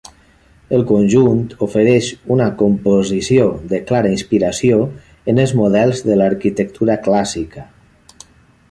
El conjunt ofereix una composició de clara inspiració en els models de l'arquitectura clàssica.